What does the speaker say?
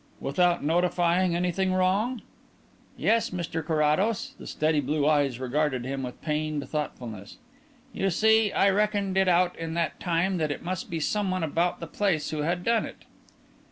"Without notifying anything wrong?" "Yes, Mr Carrados." The steady blue eyes regarded him with pained thoughtfulness. "You see, I reckoned it out in that time that it must be someone about the place who had done it."